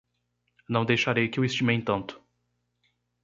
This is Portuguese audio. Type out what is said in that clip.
Não deixarei que o estimem tanto